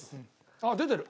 あっ出てる。